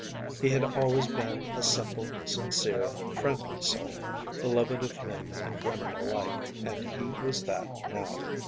He had always been a simple, sincere, friendly soul, beloved of men and women alike, and he was that now.